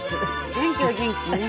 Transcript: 元気は元気ね。